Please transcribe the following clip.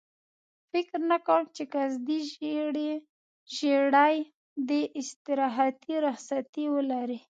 فکر نه کوم چې قصدي ژېړی دې استراحتي رخصتي ولري.